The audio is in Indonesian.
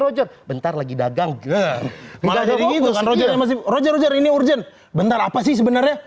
roger bentar lagi dagang dia malah jadi gitu kan roger roger ini urgent bentar apa sih sebenarnya